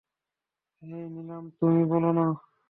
হেই নিলাম তুমি বলো না।